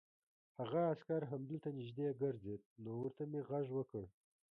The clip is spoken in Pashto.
هغه عسکر همدلته نږدې ګرځېد، نو ورته مې غږ وکړ.